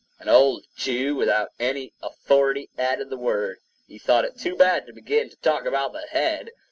An old Jew without any authority added the word; he thought it too bad to begin to talk about the head!